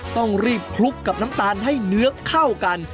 ต้องรีบคลุกกับน้ำตาลให้เนื้อเข้ากัน